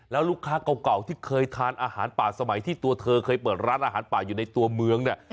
แล้วลูกค้าเก่าที่เคยทานอาหารป่าสมัยที่ตัวเธอเคยเปิดร้านอาหารป่าอยู่ในตัวเมืองเนี่ย